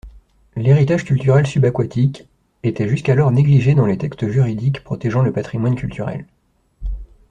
L'héritage culturel subaquatique était jusqu'alors négligé dans les textes juridiques protégeant le patrimoine culturel.